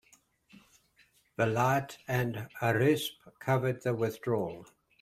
Villatte and Harispe covered the withdrawal.